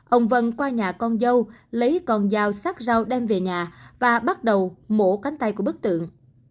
ông vân qua nhà con dâu lấy con dao sát dao đem về nhà và bắt đầu mổ cánh tay của bức tượng